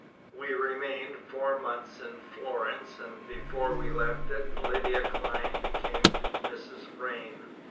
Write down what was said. We remained four months in Florence, and before we left it Lydia Clyne became Mrs. Vrain.